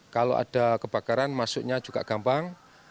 kalau ada kebakaran masuknya juga gampang